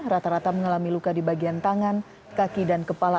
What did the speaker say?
rata rata mengalami luka di bagian tangan kaki dan kepala